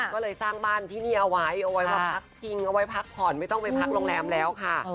ก็เลยสร้างบ้านที่นี่เอาไว้เอาไว้ว่าพักพิงเอาไว้พักผ่อนไม่ต้องไปพักโรงแรมแล้วค่ะ